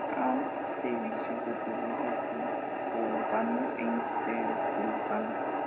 Hay servicios de autobuses suburbanos e interurbanos.